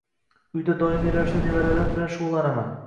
Uyda doimiy ravishda nevaralarim bilan shug’ullanaman.